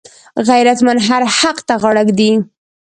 غیرتمند هر حق ته غاړه ږدي